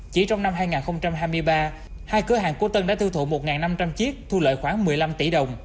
chỉ trong năm hai nghìn hai mươi ba hai cửa hàng của tân đã thư thụ một năm trăm linh chiếc thu lợi khoảng một mươi năm tỷ đồng